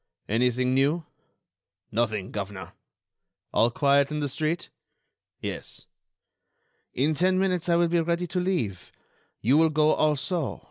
"Anything new?" "Nothing, governor." "All quiet in the street?" "Yes." "In ten minutes I will be ready to leave. You will go also.